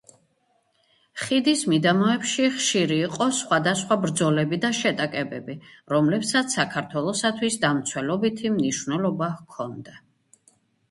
ხიდის მიდამოებში ხშირი იყო სახვადასხვა ბრძოლები და შეტაკებები, რომლებსაც საქართველოსათვის დამცველობითი მნიშვნელობა ჰქონდა.